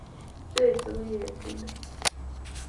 Jesu ko Yetindet!